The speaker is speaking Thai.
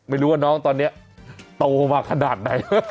ไม่รู้ว่าน้องตอนนี้โตมาขนาดไหน